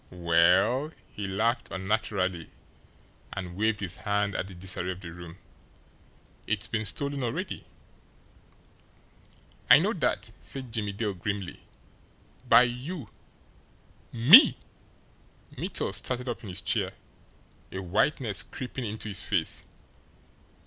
"Well" he laughed unnaturally and waved his hand at the disarray of the room "it's been stolen already." "I know that," said Jimmie Dale grimly. "By YOU!" "Me!" Mittel started up in his chair, a whiteness creeping into his face.